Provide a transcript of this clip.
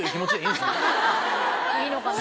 いいのかな？